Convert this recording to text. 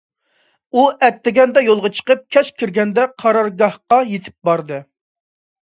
ئۇ ئەتىگەندە يولغا چىقىپ، كەچ كىرگەندە قارارگاھقا يېتىپ باردى.